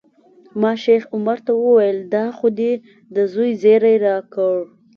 ما شیخ عمر ته وویل دا خو دې د زوی زیری راکړ.